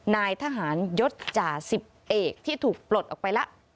นายทหารยศจ่าสิบเอกที่ถูกปลดออกไปแล้ว